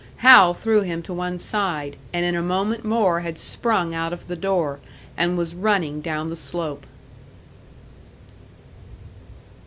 Hal threw him to one side, and in a moment more had sprung out of the door, and was running down the slope.